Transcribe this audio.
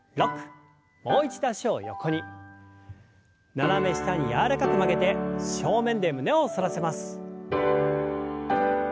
斜め下に柔らかく曲げて正面で胸を反らせます。